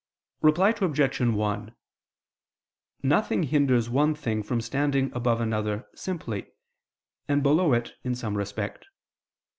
Reply Obj. 1: Nothing hinders one thing from standing above another simply, and below it in some respect.